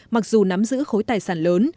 mặc dù nắm giữ khối tài sản lớn